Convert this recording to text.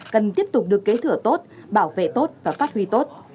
cần tiếp tục được kế thừa tốt bảo vệ tốt và phát huy tốt